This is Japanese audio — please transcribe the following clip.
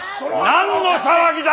何の騒ぎだ！